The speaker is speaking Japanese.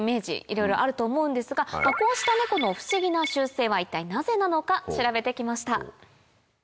いろいろあると思うんですがこうしたネコの不思議な習性は一体なぜなのか調べて来ました。